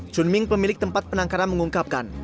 chunming pemilik tempat penangkaran mengungkapkan